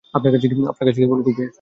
আপনার কাছে কোন কপি আছে?